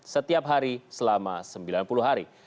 setiap hari selama sembilan puluh hari